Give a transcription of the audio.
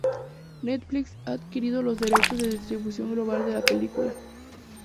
Netflix ha adquirido los derechos de distribución global de la película.